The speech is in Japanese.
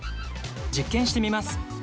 実験してみます。